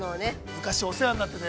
◆昔お世話になってて。